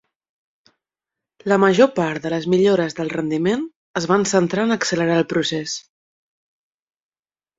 La major part de les millores del rendiment es van centrar en accelerar el procés.